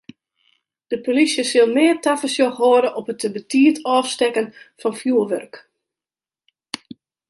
De polysje sil mear tafersjoch hâlde op it te betiid ôfstekken fan fjoerwurk.